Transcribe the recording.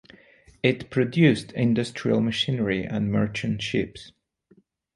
It produced industrial machinery and merchant ships.